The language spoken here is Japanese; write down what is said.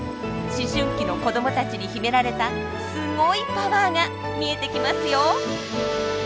思春期の子どもたちに秘められたすごいパワーが見えてきますよ！